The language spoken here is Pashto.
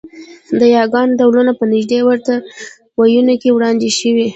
د یاګانو ډولونه په نږدې ورته وییونو کې وړاندې شوي